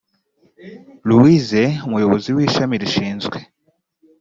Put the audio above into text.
louise umuyobozi w ishami rishinzwe